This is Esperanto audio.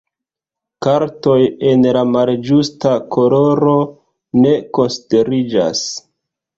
Kartoj en la malĝusta koloro, ne konsideriĝas.